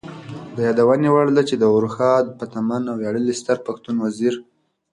د یادونې وړ ده چې د ارواښاد پتمن او ویاړلي ستر پښتون وزیر